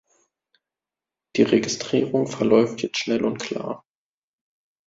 Die Registrierung verläuft jetzt schnell und klar.